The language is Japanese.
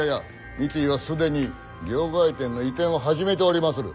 三井は既に両替店の移転を始めておりまする。